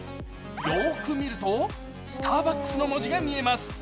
よーく見るとスターバックスの文字が見えます。